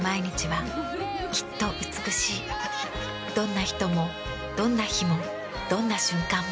どんな人もどんな日もどんな瞬間も。